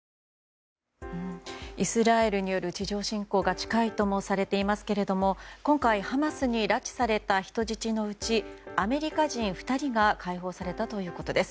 イスラエルによる地上侵攻が近いともされていますが今回、ハマスに拉致された人質のうちアメリカ人２人が解放されたということです。